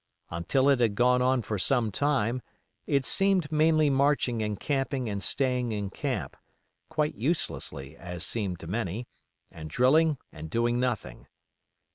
Until it had gone on some time it seemed mainly marching and camping and staying in camp, quite uselessly as seemed to many, and drilling and doing nothing.